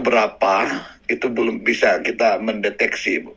berapa itu belum bisa kita mendeteksi